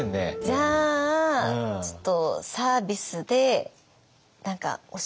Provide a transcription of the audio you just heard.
じゃあちょっとサービスで何かおしんことか。